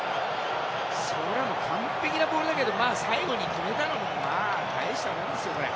そりゃ、完璧なボールだけど最後に決めたのも大したもんですよ、これ。